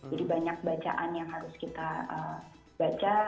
jadi banyak bacaan yang harus kita baca